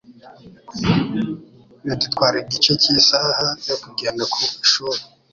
Bidutwara igice cy'isaha yo kugenda ku ishuri.